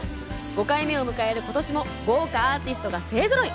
５回目を迎えることしも豪華アーティストが勢ぞろい。